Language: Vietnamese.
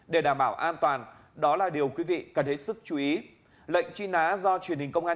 để đảm bảo an toàn đó là điều quý vị cần hết sức chú ý lệnh truy nã do truyền hình công an